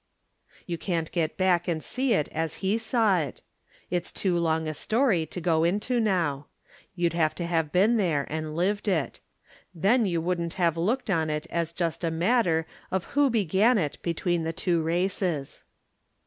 You can't get back and see it as he saw it. It's too long a story to go into now. You'd have to have been there and lived it. Then you wouldn't have looked on it as just a matter Of who began it between the two races.